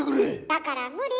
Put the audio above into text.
だから無理。